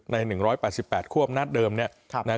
วัน๑๘๘ควบหน้าเดิมเนี่ย